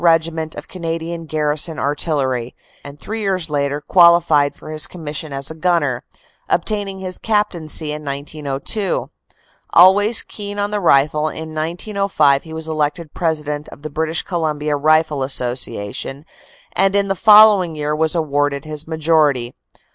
Regiment of Canadian Garrison Artillery, and three years later qualified for his commission as a gunner, obtaining his captaincy in 1902. Always keen on the rifle, in 1905 he was elected president of THE CORPS COMMANDER 295 the British Columbia Rifle Association, and in the following year was awarded his majority.